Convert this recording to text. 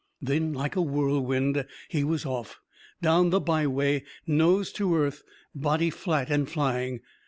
Then, like a whirlwind, he was off, down the byway; nose to earth, body flat and flying.